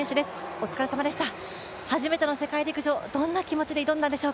お疲れさまでした。